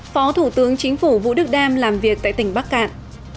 phó thủ tướng chính phủ vũ đức đam làm việc tại tỉnh bắc cạn